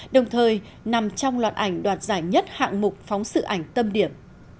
đồng thời nằm trong loạt ảnh đoạt giải nhất hạng mục phóng sự ảnh tâm điểm